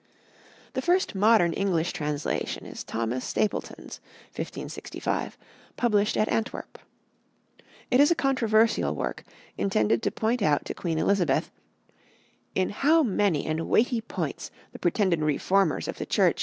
The first modern English translation is Thomas Stapleton's (1565), published at Antwerp. It is a controversial work, intended to point out to Queen Elizabeth "in how many and weighty pointes the pretended refourmers of the Church